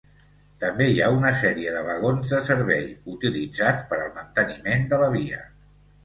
També hi ha una sèrie de vagons de servei, utilitzats per al manteniment de la via.